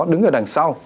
đứng ở đằng sau